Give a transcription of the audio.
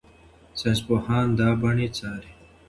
ساینسپوهان دا بڼې څاري.